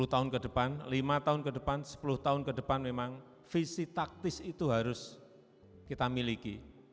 sepuluh tahun ke depan lima tahun ke depan sepuluh tahun ke depan memang visi taktis itu harus kita miliki